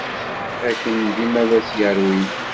Akken d imalas yerwin!